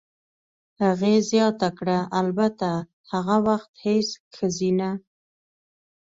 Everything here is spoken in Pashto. هغې زیاته کړه: "البته، هغه وخت هېڅ ښځینه.